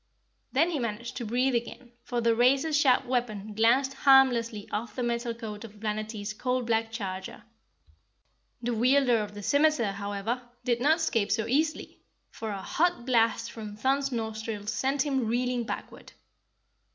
Then he managed to breathe again, for the razor sharp weapon glanced harmlessly off the metal coat of Planetty's coal black charger. The wielder of the scimiter, however, did not escape so easily, for a hot blast from Thun's nostrils sent him reeling backward.